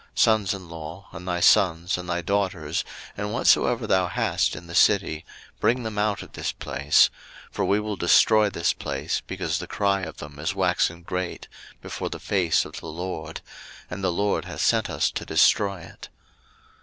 son in law, and thy sons, and thy daughters, and whatsoever thou hast in the city, bring them out of this place: 01:019:013 For we will destroy this place, because the cry of them is waxen great before the face of the LORD; and the LORD hath sent us to destroy it.